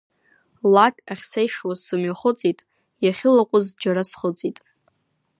Лак ахьсеишуаз сымҩахыҵит, иахьылаҟәыз џьара схыҵит.